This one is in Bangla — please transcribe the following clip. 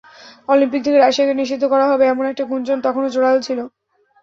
অলিম্পিক থেকে রাশিয়াকে নিষিদ্ধ করা হবে, এমন একটা গুঞ্জন তখন জোরালো ছিল।